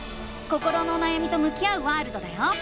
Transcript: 心のおなやみと向き合うワールドだよ！